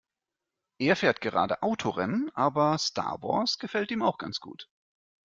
Er fährt gerade Autorennen, aber Star Wars gefällt ihm auch ganz gut.